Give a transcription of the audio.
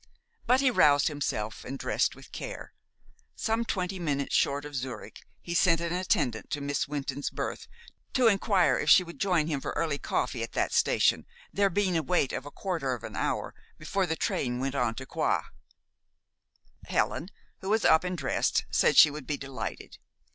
But he roused himself and dressed with care. Some twenty minutes short of Zurich he sent an attendant to Miss Wynton's berth to inquire if she would join him for early coffee at that station, there being a wait of a quarter of an hour before the train went on to Coire. Helen, who was up and dressed, said she would be delighted.